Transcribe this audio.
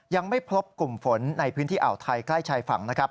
ยังไม่พบกลุ่มฝนในพื้นที่อ่าวไทยใกล้ชายฝั่งนะครับ